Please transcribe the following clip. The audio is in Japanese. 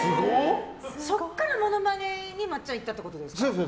そこからモノマネにまっちゃんいったってことですか。